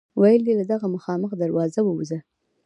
ویل یې له دغه مخامخ دروازه ووځه.